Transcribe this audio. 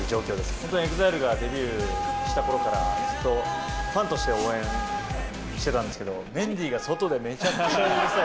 本当にＥＸＩＬＥがデビューしたころからずっとファンとして応援してたんですけど、メンディーが外でめちゃくちゃうるさい。